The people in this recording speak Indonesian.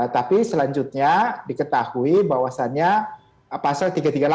tapi selanjutnya diketahui bahwasannya pasal tiga ratus tiga puluh delapan